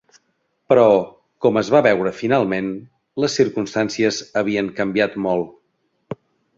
Però, com es va veure finalment, les circumstàncies havien canviat molt.